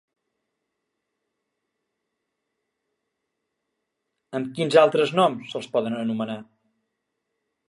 Amb quins altres noms se'ls poden anomenar?